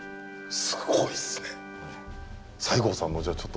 すごいっすね。